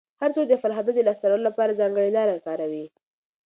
هر څوک د خپل هدف د لاسته راوړلو لپاره ځانګړې لاره کاروي.